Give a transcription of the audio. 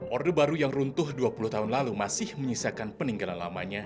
orde baru yang runtuh dua puluh tahun lalu masih menyisakan peninggalan lamanya